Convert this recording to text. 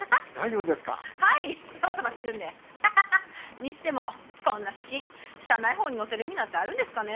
にしてもこんな写真社内報に載せる意味なんてあるんですかね？